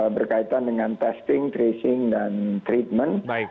berkaitan dengan testing tracing dan treatment